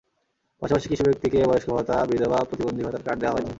পাশাপাশি কিছু ব্যক্তিকে বয়স্ক ভাতা, বিধবা, প্রতিবন্ধী ভাতার কার্ড দেওয়া হয়েছে।